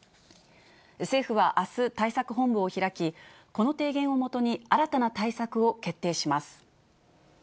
政府はあす、対策本部を開き、この提言をもとに、新たな対策を決定します。